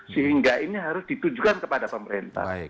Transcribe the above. sehingga ini harus ditujukan kepada pemerintah